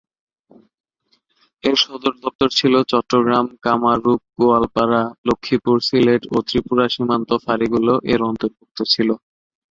এর সদর দপ্তর ছিল চট্টগ্রাম; কামরূপ, গোয়ালপাড়া, লক্ষ্মীপুর, সিলেট ও ত্রিপুরা সীমান্ত-ফাঁড়িগুলো এর অন্তর্ভুক্ত ছিল।